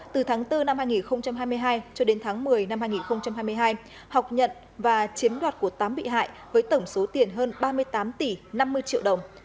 từ tháng bốn năm hai nghìn hai mươi hai cho đến tháng một mươi năm hai nghìn hai mươi hai học nhận và chiếm đoạt của tám bị hại với tổng số tiền hơn ba mươi tám tỷ năm mươi triệu đồng